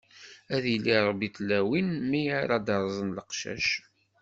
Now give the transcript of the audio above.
Ad yili Ṛebbi d tlawin, mi ara d-rẓen leqcac.